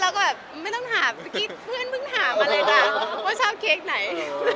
แล้วแบบไม่ต้องถามเพื่อนพึ่งถามว่าชอบเค็กไหน